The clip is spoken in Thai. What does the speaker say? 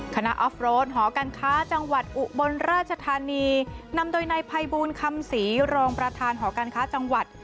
ออฟโรดหอการค้าจังหวัดอุบลราชธานีนำโดยนายภัยบูลคำศรีรองประธานหอการค้าจังหวัด